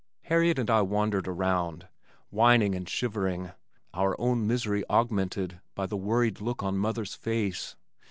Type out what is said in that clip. Harriet and I wandered around, whining and shivering, our own misery augmented by the worried look on mother's face.